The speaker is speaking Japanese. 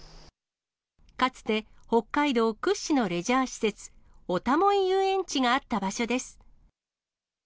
かつて北海道屈指のレジャー施設、オタモイ遊園地があった場所です。